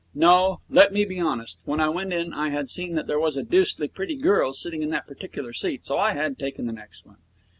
No, let me be honest. When I went in I had seen that there was a deucedly pretty girl sitting in that particular seat, so I had taken the next one.